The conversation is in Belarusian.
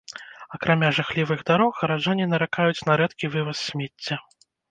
Акрамя жахлівых дарог гараджане наракаюць на рэдкі вываз смецця.